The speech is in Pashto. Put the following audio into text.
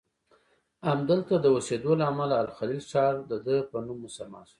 همدلته د اوسیدو له امله الخلیل ښار دده په نوم مسمی شو.